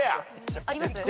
あります？